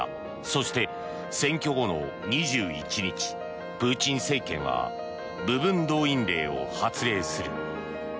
そして、選挙後の２１日プーチン政権は部分動員令を発令する。